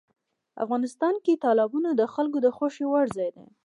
افغانستان کې تالابونه د خلکو د خوښې وړ ځای دی.